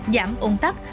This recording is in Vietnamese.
giảm ung tắc